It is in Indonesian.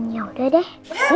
ya udah deh